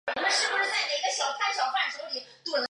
首府布尔干。